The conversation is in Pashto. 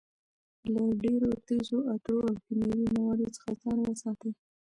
له ډېرو تېزو عطرو او کیمیاوي موادو څخه ځان وساتئ.